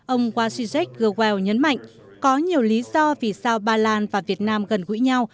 ông wajidzak grewal nhấn mạnh có nhiều lý do vì sao ba lan và việt nam gần gũi nhau